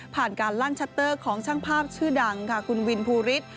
การลั่นชัตเตอร์ของช่างภาพชื่อดังค่ะคุณวินภูริส